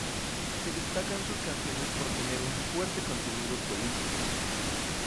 Se destacan sus canciones por tener un fuerte contenido político.